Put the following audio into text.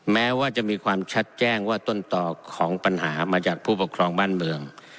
แม้ว่าจะมีความชัดแจ้งว่าต้นต่อของปัญหามาจากผู้ปกครองบ้านเมือง